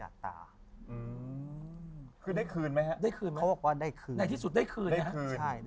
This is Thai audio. ด้วยคืนไหม